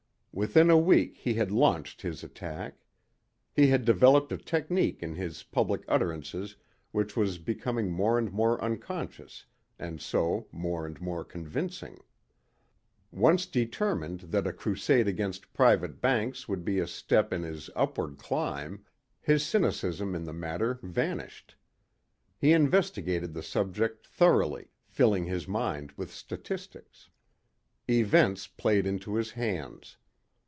Within a week he had launched his attack. He had developed a technique in his public utterances which was becoming more and more unconscious and so more and more convincing. Once determined that a crusade against private banks would be a step in his upward climb, his cynicism in the matter vanished. He investigated the subject thoroughly, filling his mind with statistics. Events played into his hands.